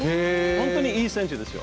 本当にいい選手ですよ。